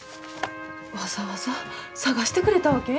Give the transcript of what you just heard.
わざわざ探してくれたわけ？